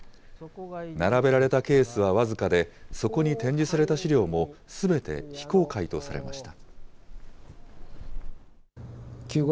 並べられたケースは僅かで、そこに展示された資料もすべて非公開とされました。